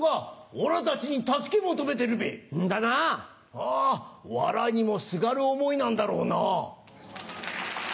あわらにもすがる思いなんだろうな。